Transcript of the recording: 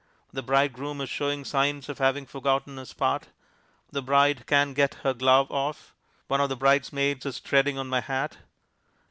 The bridegroom is showing signs of having forgotten his part, the bride can't get her glove off, one of the bridesmaids is treading on my hat.